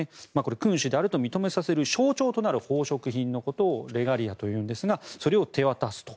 君主であると認めさせる象徴となる宝飾品のことをレガリアというんですがそれを手渡すと。